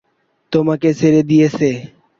তোমাকে ছেড়ে দিয়েছে?